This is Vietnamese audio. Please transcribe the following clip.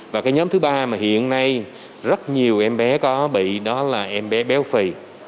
và cái nhóm thứ ba mà hiện nay rất nhiều em bé có bị đó là em bé béo phì